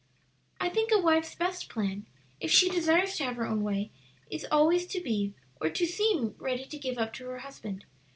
"I think a wife's best plan, if she desires to have her own way, is always to be or to seem ready to give up to her husband.